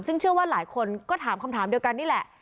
ซึ่งเชื่อว่าหลายคนก็ถามคำถามเดียวกันนี่แหละ